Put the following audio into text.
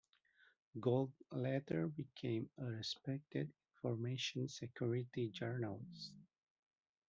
Gold later became a "respected information security journalist".